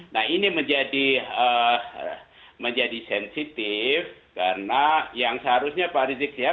nah ini menjadi sensitif karena yang seharusnya pak rizik sihab